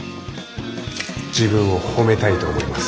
自分を褒めたいと思います。